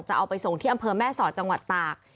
จะเอาไปส่งที่อำเภอแม่สอดจังหวัดตาก